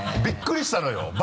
びっくりしたのよ。